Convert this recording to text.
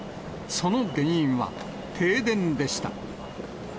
その原因は停電でした。